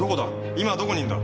今どこにいるんだ？